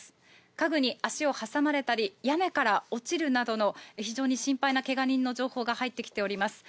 家具に足を挟まれたり、屋根から落ちるなどの非常に心配なけが人の情報が入ってきております。